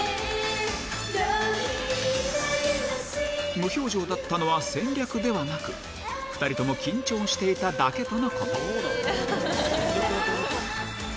無表情だったのは戦略ではなく、２人とも緊張していただけとのこと。